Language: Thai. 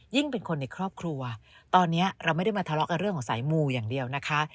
เป็นคนในครอบครัวตอนนี้เราไม่ได้มาทะเลาะกับเรื่องของสายมูอย่างเดียวนะคะ